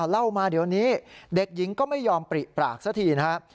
เล่ามาเดี๋ยวนี้เด็กหญิงก็ไม่ยอมปริปากซะทีนะครับ